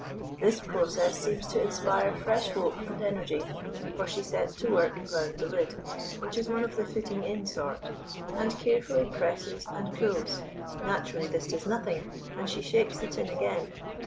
This process seems to inspire fresh hope and energy; for she sets to work round the lid, which is one of the fitting in sort, and carefully presses and pulls. Naturally this does nothing, and she shakes the tin again.